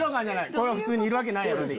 これは普通に「いるわけないやろ」でいい。